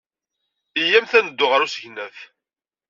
Iyyamt ad neddu ɣer usegnaf.